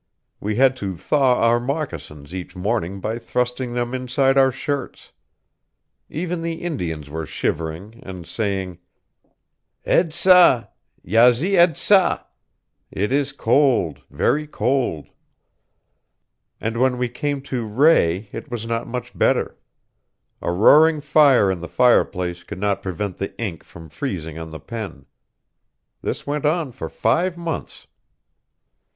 We had to thaw our moccasins each morning by thrusting them inside our shirts. Even the Indians were shivering and saying, 'Ed sa, yazzi ed sa' 'it is cold, very cold.' And when we came to Rae it was not much better. A roaring fire in the fireplace could not prevent the ink from freezing on the pen. This went on for five months."